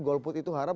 golput itu haram